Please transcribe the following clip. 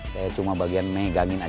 saya cuma bagian megangin aja